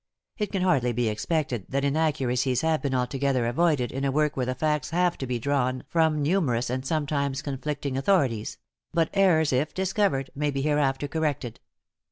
It can hardly be expected that inaccuracies have been altogether avoided in a work where the facts have to be drawn from numerous and sometimes conflicting authorities; but errors, if discovered, may be hereafter corrected.